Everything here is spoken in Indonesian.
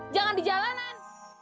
jangan di jalanan